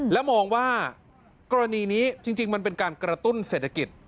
และมองว่ากรณีนี้จริงมันเป็นการกระตุ้นเศรษฐกิจ